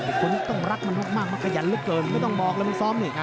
นี่คนต้องรักมันมากมากมันขยันเลยเบินไม่ต้องบอกว่ามันซ้อมนิดนี่